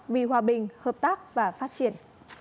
vì hòa bình hợp tác và phát triển